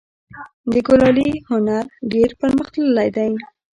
د کلالي هنر ډیر پرمختللی و